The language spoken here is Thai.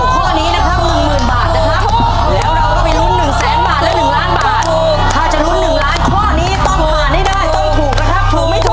ถูกถูกถูก